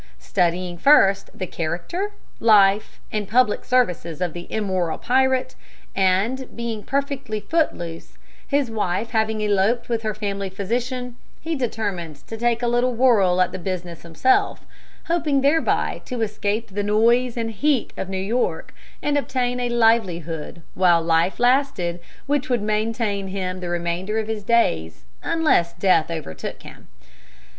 Studying first the character, life, and public services of the immoral pirate, and being perfectly foot loose, his wife having eloped with her family physician, he determined to take a little whirl at the business himself, hoping thereby to escape the noise and heat of New York and obtain a livelihood while life lasted which would maintain him the remainder of his days unless death overtook him.